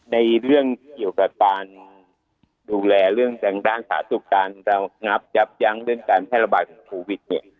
ในเรื่องเกี่ยวกับการดูแลเรื่องทางด้านสาธารณสุขการระงับยับยั้งเรื่องการแพร่ระบาดของโควิดเนี่ย